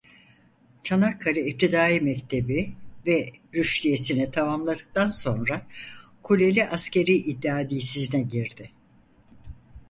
Çanakkale İptidai Mektebi ve Rüştiyesini tamamladıktan sonra Kuleli Askerî İdadisi'ne girdi.